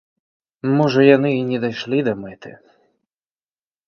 Можа яны не дайшлі да мэты?